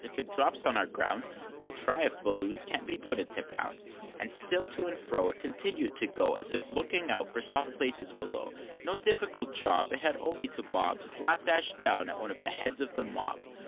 If it drops on our grounds, We'll try if Balloons can't be put into pounds." XIII. But still to and fro It continued to go, As if looking out for soft places below; No difficult job, It had only to bob Slap dash down at once on the heads of the mob: XIV.